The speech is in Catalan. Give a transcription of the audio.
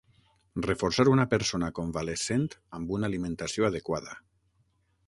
Reforçar una persona convalescent amb una alimentació adequada.